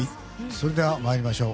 それでは参りましょう。